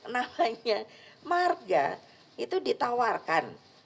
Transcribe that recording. namanya marga itu ditawarkan